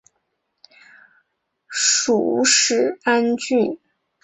属始安郡。